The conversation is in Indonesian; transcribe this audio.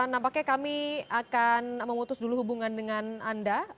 nampaknya kami akan memutus dulu hubungan dengan anda